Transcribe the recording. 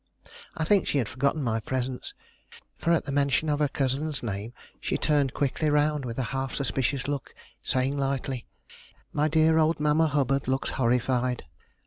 I think she had forgotten my presence, for at the mention of her cousin's name she turned quickly round with a half suspicious look, saying lightly: "My dear old Mamma Hubbard looks horrified.